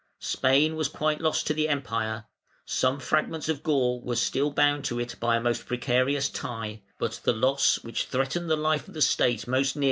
Spain was quite lost to the Empire: some fragments of Gaul were still bound to it by a most precarious tie; but the loss which threatened the life of the State most nearly was the loss of Africa.